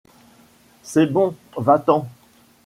C’est bon, va-t’en !